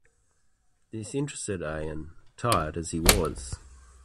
This interested Ayaan, tired as he was.